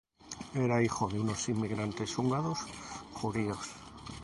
Era hijo de unos inmigrantes húngaros judíos.